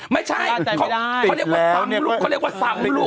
ไม่ใช่